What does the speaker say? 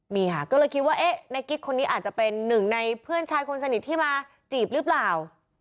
นี่ค่ะก็เลยคิดว่าเอ๊ะในกิ๊กคนนี้อาจจะเป็นหนึ่งในเพื่อนชายคนสนิทที่มาจีบหรือเปล่า